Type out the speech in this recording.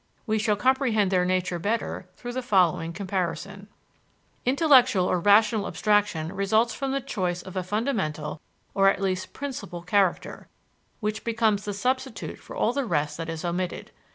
We shall comprehend their nature better through the following comparison: Intellectual or rational abstraction results from the choice of a fundamental, or at least principal, character, which becomes the substitute for all the rest that is omitted.